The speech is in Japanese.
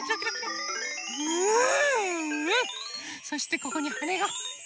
そしてここにはねが。